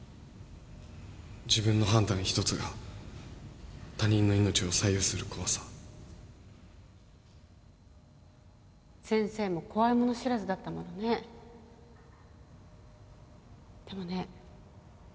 自分の判断一つが他人の命を左右する怖さ先生も怖いもの知らずだったものねでもね